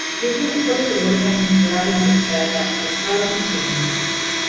ލިބުނު އުފަލެއްގެ ބޮޑުކަމުން ޔާރިންގެ ގައިގައި ބައްދާލަންވެސް ބޭނުންވި